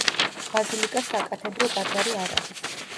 ბაზილიკა საკათედრო ტაძარი არ არის.